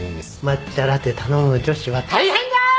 抹茶ラテ頼む女子は大変だー！